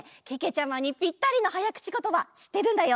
ちゃまにぴったりのはやくちことばしってるんだよ。